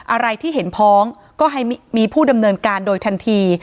อะไรที่เห็นพ้องก็ให้มีผู้ดำเนินการโดยทันที